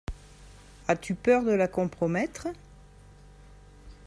As-tu peur de la compromettre ?